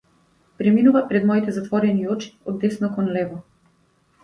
Преминува пред моите затворени очи од десно кон лево.